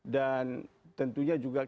dan tentunya juga kita